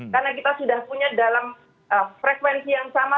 karena kita sudah punya dalam frekuensi yang sama